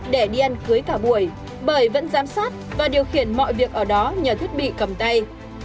để đi ăn cưới cả buổi bởi vẫn giám sát và điều khiển mọi việc ở đó nhờ thiết bị cầm tay